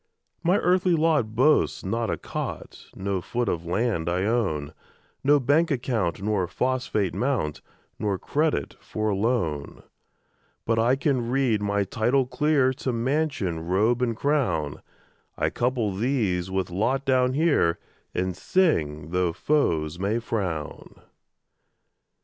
My earthly lot boasts not a cot, No foot of land I own, No bank account nor phosphate mount, Nor credit for a loan; But I can read my title clear To mansion, robe, and crown; I couple these with lot down here, And sing, tho' foes may frown.